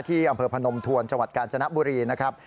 อำเภอพนมทวนจังหวัดกาญจนบุรีนะครับ